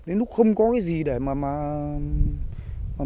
đến lúc không có cái gì để mà